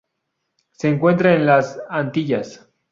Se encuentra en las Antillas.